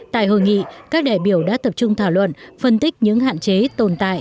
tại hội nghị các đại biểu đã tập trung thảo luận phân tích những hạn chế tồn tại